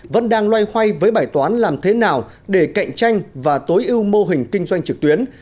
vẫn đang loay hoay với bài toán làm thế nào để cạnh tranh và tối ưu mô hình kinh doanh trực tuyến